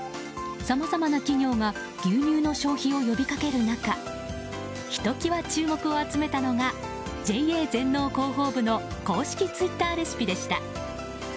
さまざまな企業が牛乳の消費を呼び掛ける中ひときわ注目を集めたのがＪＡ全農広報部の公式ツイッターレシピでした。